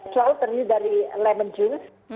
selalu terdiri dari lemon george